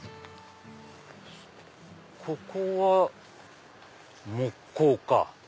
ここは木工か。